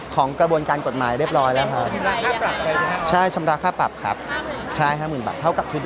ของกระบวนการกฎหมายเรียบร้อยแล้วครับ